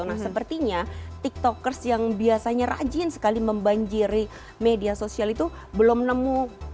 karena sepertinya tiktokers yang biasanya rajin sekali membanjiri media sosial itu belum nemu